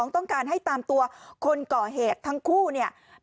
๒ต้องการให้ตามตัวผู้เสียหายของเขา